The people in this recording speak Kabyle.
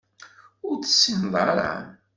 Ur tt-tessineḍ ara